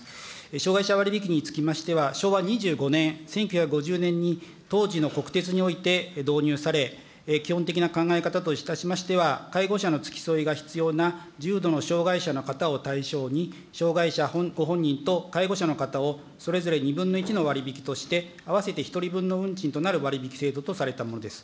障害者割引につきましては、昭和２５年、１９５０年に、当時の国鉄において導入され、基本的な考え方といたしましては、介護者の付き添いが必要な重度の障害者の方を対象に、障害者ご本人と介護者の方を、それぞれ２分の１の割引として、合わせて１人分の運賃となる割引制度とされたものです。